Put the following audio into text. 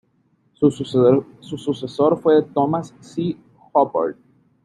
Su sucesor fue Thomas C. Hubbard.